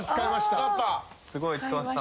すごい使わせた。